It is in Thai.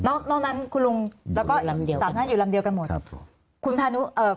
นอกนั้นคุณลุงแล้วก็สามท่านอยู่ลำเดียวกันหมด